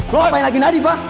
lo ngapain lagi nadif ah